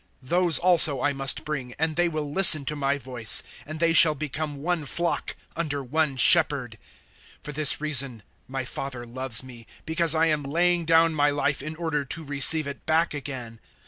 Those also I must bring, and they will listen to my voice; and they shall become one flock under one Shepherd. 010:017 For this reason my Father loves me, because I am laying down my life in order to receive it back again.